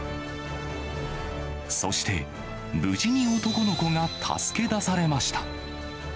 そして、無事に男の子が助け出されました。